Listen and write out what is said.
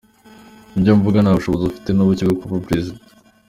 Ibyo mvuga, nta bushobozi afite na buke bwo kuba perezida.